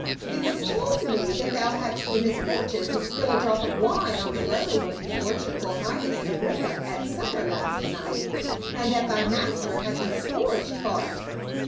" It was told me that thou hadst the misfortune to spill a drop of wine on the robe of his worshipful highness, Agrippa, at supper last night, and that thy master had thee scourged for it."